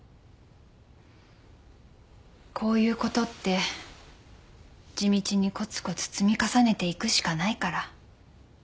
こういうことって地道にコツコツ積み重ねていくしかないから。